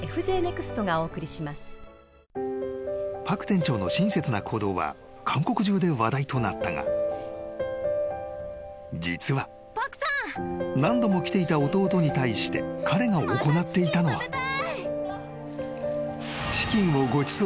［パク店長の親切な行動は韓国中で話題となったが実は何度も来ていた弟に対して彼が行っていたのは］